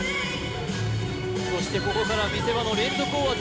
そしてここから見せ場の連続大技